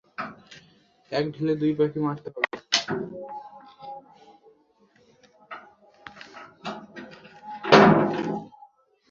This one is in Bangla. এক ঢিলে দুই পাখি মারতে হবে।